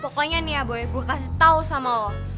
pokoknya nih ya boy gua kasih tau sama lu